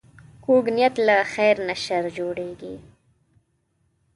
کوږ نیت له خیر نه شر جوړوي